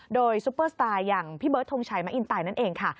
โดยซุปเปอร์สตาร์อย่างพี่เบิร์ดทงชัยมะอินไตนั่นเองค่ะ